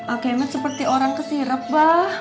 akemet seperti orang kesirep bah